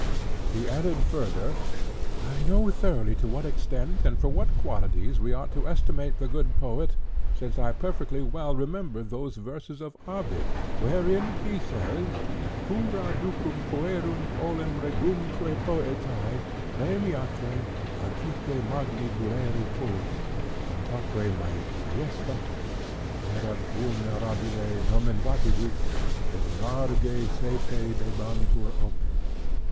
He added further, "I know thoroughly to what extent, and for what qualities, we ought to estimate the good poet, since I perfectly well remember those verses of Ovid, wherein he says:— "'Cura ducum fuerunt olim regumque poetæ, Præmiaque antiqui magna tulere chori. Sanctaque majestas, et erat venerabile nomen Vatibus; et largæ sæpe dabantur opes.'